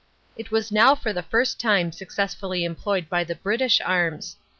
It was now for the first time successfully employed by the British arms.